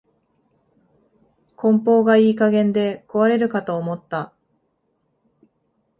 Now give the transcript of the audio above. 梱包がいい加減で壊れるかと思った